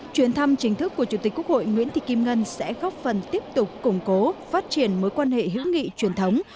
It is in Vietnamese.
chuyến thăm chính thức của chủ tịch quốc hội nguyễn thị kim ngân sẽ góp phần tiếp tục củng cố phát triển mối quan hệ hữu nghị truyền thống